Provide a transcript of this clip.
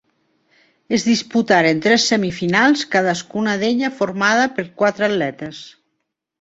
Es disputaren tres semifinals, cadascuna d'elles formada per quatre atletes.